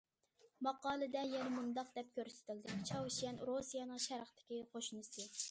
ماقالىدە يەنە مۇنداق دەپ كۆرسىتىلدى، چاۋشيەن رۇسىيەنىڭ شەرقتىكى قوشنىسى.